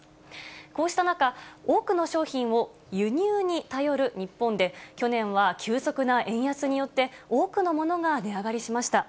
こうした中、多くの商品を輸入に頼る日本で、去年は急速な円安によって、多くのものが値上がりしました。